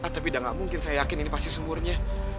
tapi udah gak mungkin saya yakin ini pasti sumurnya